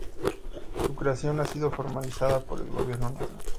Su creación ha sido formalizada por el Gobierno Nacional.